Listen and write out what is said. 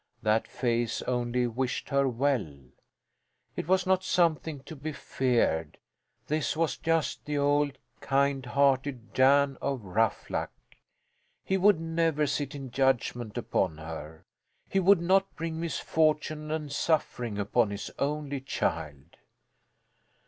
That face only wished her well. It was not something to be feared. This was just the old kind hearted Jan of Ruffluck. He would never sit in judgment upon her; he would not bring misfortune and suffering upon his only child.